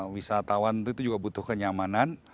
wisatawan itu juga butuh kenyamanan